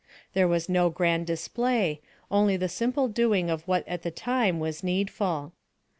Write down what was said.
There was no grand display, only the simple doing of what at the time was needful.